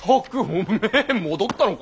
おめぇ戻ったのか。